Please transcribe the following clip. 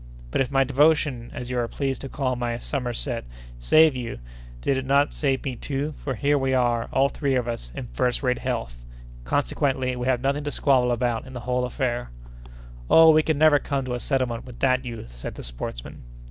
"But, if my devotion, as you are pleased to call my summerset, saved you, did it not save me too, for here we are, all three of us, in first rate health? Consequently we have nothing to squabble about in the whole affair." "Oh! we can never come to a settlement with that youth," said the sportsman.